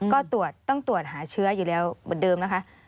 ก็ต้องตรวจต้องตรวจหาเชื้ออยู่แล้วเหมือนเดิมนะคะ